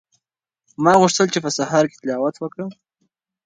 ما غوښتل چې په سهار کې تلاوت وکړم.